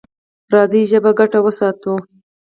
راځئ ژبه ګډه وساتو.